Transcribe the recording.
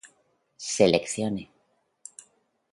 seleccione